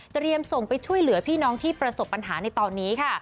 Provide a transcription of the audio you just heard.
ส่งไปช่วยเหลือพี่น้องที่ประสบปัญหาในตอนนี้ค่ะ